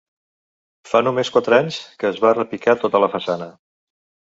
Fa només quatre anys que es va repicar tota la façana.